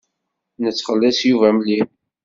Nettxelliṣ Yuba mliḥ.